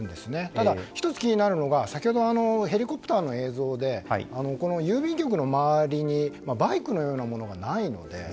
ただ、１つ気になるのが先ほど、ヘリコプターの映像で郵便局の周りにバイクのようなものがないので。